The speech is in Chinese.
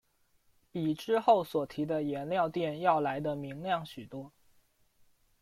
比之后所提的颜料靛要来得明亮许多。